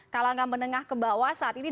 kalau tidak menengah ke bawah saat ini